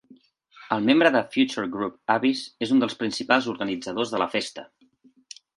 El membre de Future Group Abyss és un dels principals organitzadors de la festa.